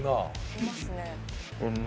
いますね。